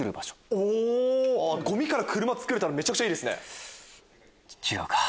ゴミから車作れたらめちゃくちゃいいですね。